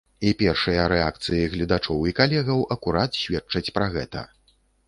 І першыя рэакцыі гледачоў і калегаў акурат сведчаць пра гэта.